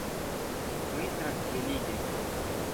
Mi trankviliĝis.